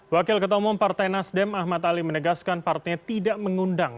wakil ketua umum partai nasdem ahmad ali menegaskan partai tidak mengundang